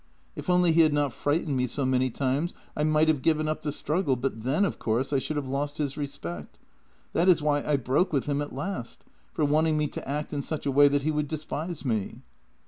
If only he had not frightened me so many times, I might have given up the struggle but then, of course, I should have lost his respect. That is why I broke with him at last — for wanting me to act in such a way that he would despise me."